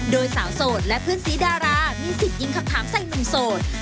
โดยสาวโสดและเพื่อนสีดารามีสิทธิ์ยิงคำถามใส่หนุ่มโสด